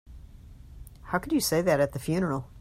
How could you say that at the funeral?